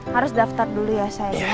harus daftar dulu ya saya